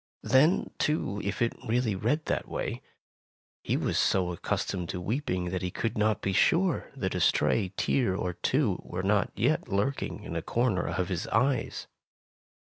Then, too, if it really read that way, he was so accustomed to weeping that he could not be sure that a stray tear or two were not yet lurking in a corner of Jiis eyes.